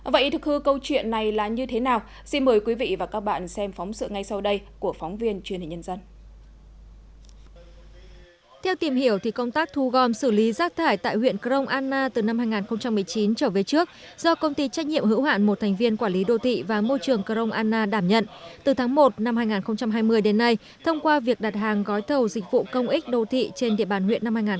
vậy thực hư câu chuyện này là như thế nào xin mời quý vị và các bạn xem phóng sự ngay sau đây của phóng viên truyền hình nhân dân